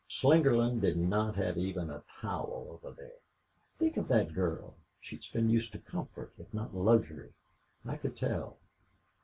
"Slingerland did not have even a towel over there. Think of that girl! She's been used to comfort, if not luxury. I could tell....